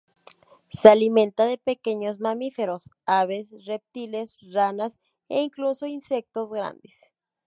Se alimenta de pequeños mamíferos, aves, reptiles, ranas e incluso insectos grandes.